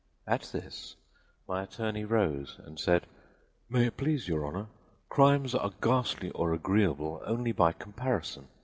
At this, my attorney rose and said: "May it please your Honor, crimes are ghastly or agreeable only by comparison.